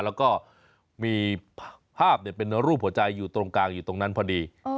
แล้วก็มีภาพเป็นรูปหัวใจอยู่ตรงกลางอยู่ตรงนั้นพอดี